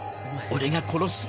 「俺が殺す？」